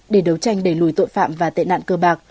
để đấu tranh đẩy lùi tội phạm và tệ nạn cơ bạc